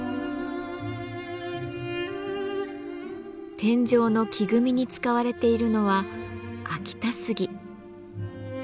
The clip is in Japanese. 天井の木組みに使われているのは秋田杉。